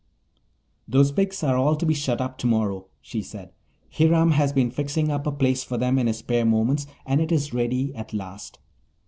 "Those pigs are all to be shut up tomorrow," she said. "Hiram has been fixing up a place for them in his spare moments and it is ready at last."